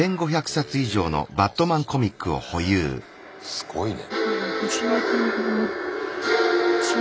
すごいね。